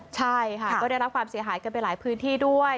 ใช่ค่ะก็ได้รับความเสียหายกันไปหลายพื้นที่ด้วย